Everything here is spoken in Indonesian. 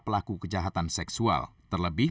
pelaku diancam pasal berlapis